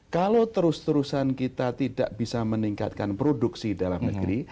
kalau terus terusan kita tidak bisa meningkatkan produksi dalam negeri